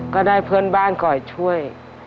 ก็ได้เพื่อนบ้านคอยช่วย